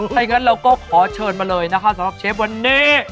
ถ้าอย่างนั้นเราก็ขอเชิญมาเลยนะคะสำหรับเชฟวันนี้